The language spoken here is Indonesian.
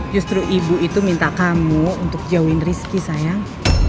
justru ibu itu minta kamu untuk jauhin rizki sayang